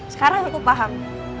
sekarang aku paham